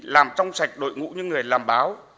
làm trong sạch đội ngũ những người làm báo